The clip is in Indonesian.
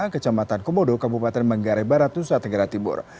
kecamatan komodo kabupaten menggare barat tusa tenggara tibur